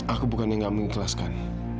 aku bukan yang gak mengikhlaskan